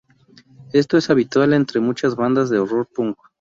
Esto es habitual entre muchas bandas de Horror punk.